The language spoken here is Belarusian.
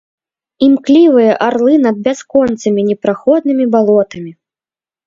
Імклівыя арлы над бясконцымі непраходнымі балотамі.